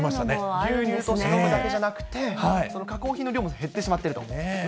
牛乳としただけじゃなくて、加工品の量も減っていると。